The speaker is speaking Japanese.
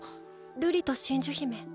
瑠璃と真珠姫